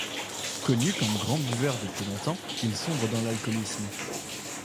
Connu comme grand buveur depuis longtemps, il sombre dans l’alcoolisme.